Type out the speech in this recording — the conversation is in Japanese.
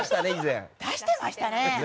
出してましたね。